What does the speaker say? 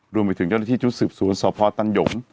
รวมไปถึงเจ้าหน้าที่ชุดสืบสวนสพตันหยง